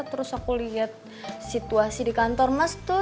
terus aku lihat situasi di kantor mas tuh